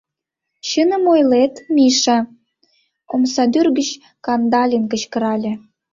— Чыным ойлет, Миша! — омсадӱр гыч Кандалин кычкырале.